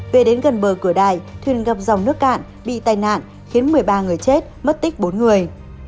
về đến gần bờ cửa đại thuyền gặp dòng nước cạn bị tai nạn khiến một mươi ba người chết mất tích bốn người